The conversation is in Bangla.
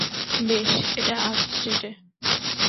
বেশ, এটা আপস্টেটে।